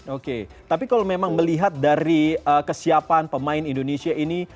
oke tapi kalau memang melihat dari kesiapan pemain indonesia ini